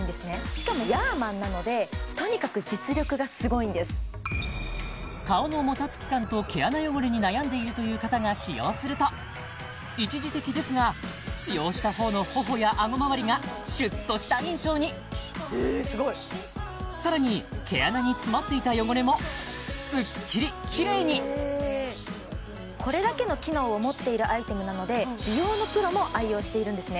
しかもヤーマンなのでとにかく実力がすごいんです顔のもたつき感と毛穴汚れに悩んでいるという方が使用すると一時的ですが使用した方のほほやあごまわりがシュッとした印象にえすごいさらに毛穴に詰まっていた汚れもスッキリキレイにこれだけの機能を持っているアイテムなのでしているんですね